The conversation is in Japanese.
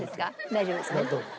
大丈夫ですね。